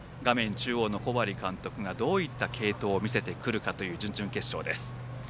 中央の小針監督がどういった継投を見せてくるかという準々決勝です。